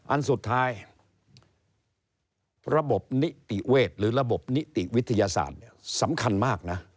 อันสุดท้ายระบบนิติเวชหรือระบบนิติวิทยาศาสตร์สำคัญมากนะ